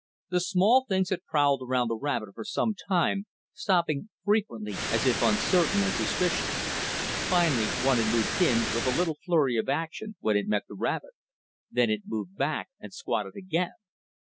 The small things had prowled around the rabbit for some time, stopping frequently as if uncertain and suspicious. Finally, one had moved in, with a little flurry of action when it met the rabbit. Then it had moved back and squatted again.